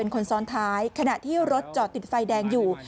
คนซ้อนท้ายขณะที่รถจอดติดไฟแดงอยู่